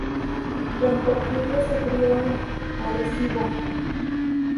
Don Porfirio se crio en Arecibo.